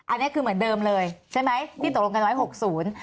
อันนี้คือเหมือนเดิมเลยใช่ไหมที่ตกลงกันไว้หกศูนย์